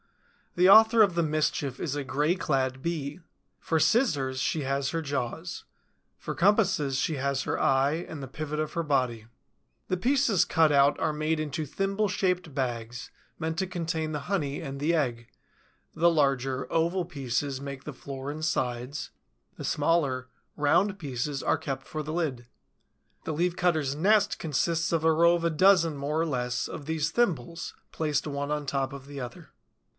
The author of the mischief is a gray clad Bee. For scissors, she has her jaws; for compasses, she has her eye and the pivot of her body. The pieces cut out are made into thimble shaped bags, meant to contain the honey and the egg: the larger, oval pieces make the floor and sides; the smaller, round pieces are kept for the lid. The Leaf cutter's nest consists of a row of a dozen, more or less, of these thimbles, placed one on top of the other.